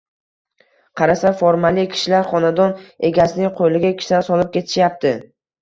Qarasa, formali kishilar xonadon egasining qo`liga kishan solib ketishyapti